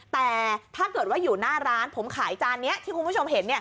แต่ถ้าเกิดว่าอยู่หน้าร้านผมขายจานนี้ที่คุณผู้ชมเห็น